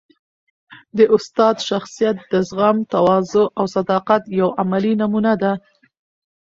د استاد شخصیت د زغم، تواضع او صداقت یوه عملي نمونه ده.